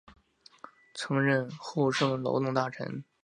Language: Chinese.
曾任厚生劳动大臣。